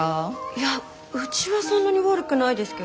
いやうちはそんなに悪くないですけど。